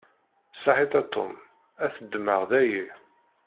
Saḥit a Tom, ad t-ddmeɣ dayi.